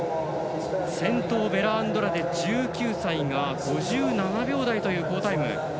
先頭、ベラアンドラデ１９歳が５７秒台という好タイム。